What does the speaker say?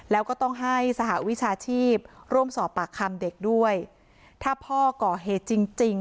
แล้วก็ต้องให้สหวิชาชีพร่วมสอบปากคำเด็กด้วยถ้าพ่อก่อเหตุจริงจริง